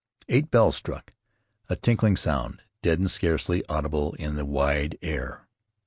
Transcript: Eight bells struck, a tinkling sound, deadened, scarcely audible in the wide air.